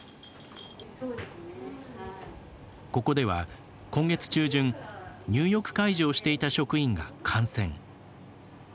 ここでは今月中旬入浴介助をしていた職員が感染。